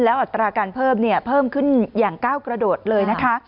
อัตราการเพิ่มเพิ่มขึ้นอย่างก้าวกระโดดเลยนะคะ